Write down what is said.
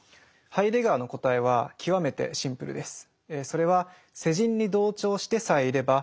ハイデガーの答えは極めてシンプルです。